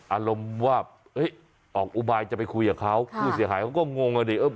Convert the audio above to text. อารมณ์ว่าออกอุบายจะไปคุยกับเขาผู้เสียหายเขาก็งงอ่ะดิเออ